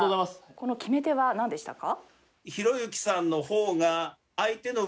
この決め手はなんでしたか？